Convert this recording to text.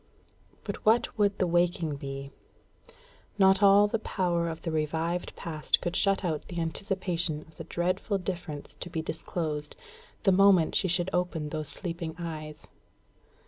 But what would the waking be? Not all the power of the revived past could shut out the anticipation of the dreadful difference to be disclosed, the moment she should open those sleeping eyes.